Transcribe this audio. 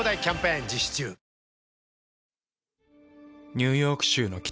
ニューヨーク州の北。